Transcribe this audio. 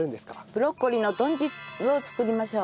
ブロッコリーの豚汁を作りましょう。